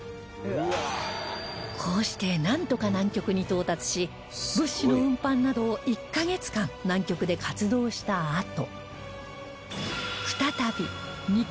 こうしてなんとか南極に到達し物資の運搬など１カ月間南極で活動したあと